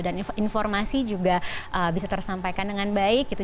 dan informasi juga bisa tersampaikan dengan baik gitu